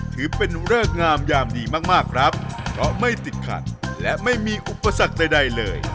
ถือเป็นเริกงามยามดีมากมากครับเพราะไม่ติดขัดและไม่มีอุปสรรคใดเลย